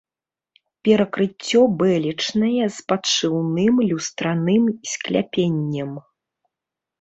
Перакрыццё бэлечнае з падшыўным люстраным скляпеннем.